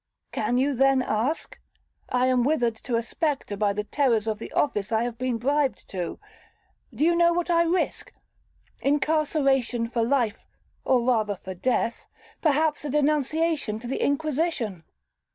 'Can you then ask? I am withered to a spectre by the terrors of the office I have been bribed to. Do you know what I risk?—incarceration for life, or rather for death,—perhaps a denunciation to the Inquisition.